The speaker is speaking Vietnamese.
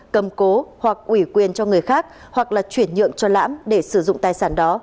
cầm cố hoặc ủy quyền cho người khác hoặc là chuyển nhượng cho lãm để sử dụng tài sản đó